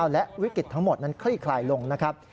และวิกฤตทั้งหมดนั้นคลี่คลายลงนะครับ